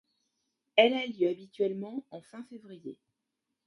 Elle a lieu habituellement en fin février.